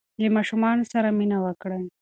له ماشومانو سره مینه وکړئ.